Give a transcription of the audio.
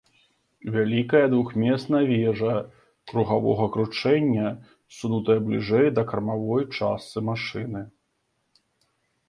Вялікая двухмесная вежа кругавога кручэння ссунутая бліжэй да кармавой частцы машыны.